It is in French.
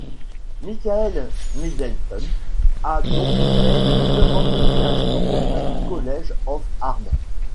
Michael Middleton a donc fait une demande de création auprès du College of arms.